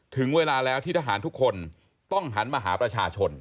ถึงเวลาแล้วที่ทหารทุกคนต้องหันมาหาประชาชน